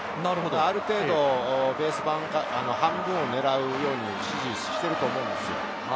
ある程度、ベース半分を狙うような指示をしてると思うんですよ。